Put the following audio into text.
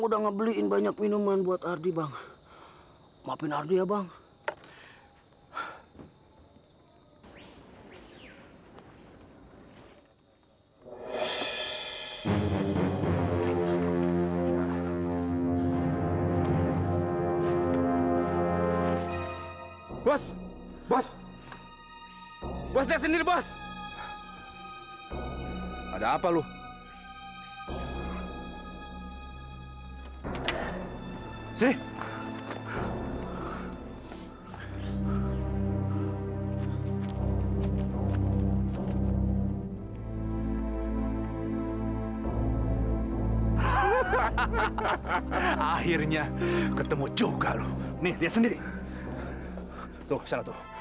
sampai jumpa di video selanjutnya